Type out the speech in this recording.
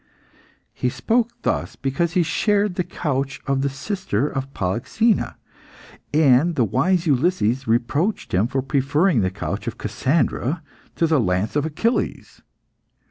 He spoke thus because he shared the couch of the sister of Polyxena, and the wise Ulysses reproached him for preferring the couch of Cassandra to the lance of Achilles.